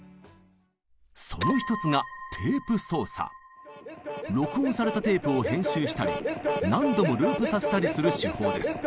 その一つが録音されたテープを編集したり何度もループさせたりする手法です。